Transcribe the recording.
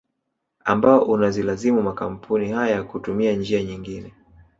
Ambao unazilazimu makampuni haya kutumia njia nyingine